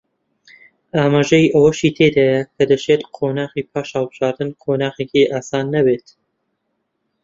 ئاماژەی ئەوەیشی تێدایە کە دەشێت قۆناغی پاش هەڵبژاردن قۆناغێکی ئاسان نەبێت